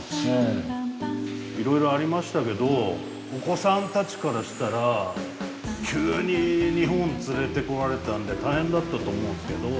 いろいろありましたけどお子さんたちからしたら急に日本連れてこられたんで大変だったと思うんですけど。